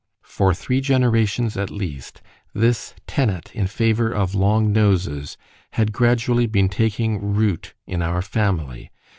For three generations at least this tenet in favour of long noses had gradually been taking root in our family.